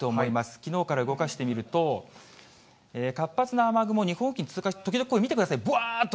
きのうから動かしてみると、活発な雨雲、日本付近を通過、時々、見てください、ぶわーっと。